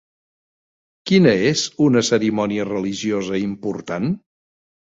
Quina és una cerimònia religiosa important?